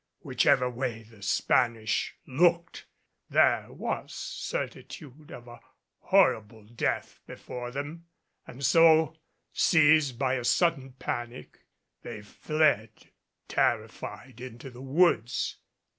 Whichever way the Spanish looked, there was certitude of a horrible death before them, and so, seized by a sudden panic, they fled terrified to the woods.